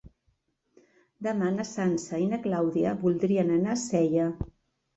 Demà na Sança i na Clàudia voldrien anar a Sella.